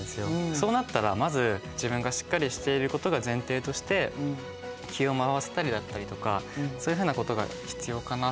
そうなったらまず自分がしっかりしていることが前提として気をまわせたりだったりとかそういうふうなことが必要かなと。